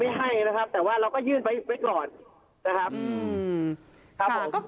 แต่เราก็ยื่นไปไว้ก่อนนะครับ